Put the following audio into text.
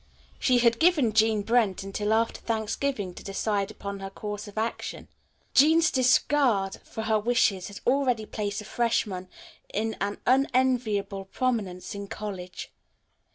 She had given Jean Brent until after Thanksgiving to decide upon her course of action. Jean's disregard for her wishes had already placed the freshman in an unenviable prominence in college.